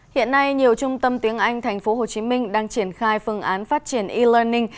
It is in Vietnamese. hiện nay nhiều trung tâm tiếng anh thành phố hồ chí minh đang triển khai phương án phát triển e learning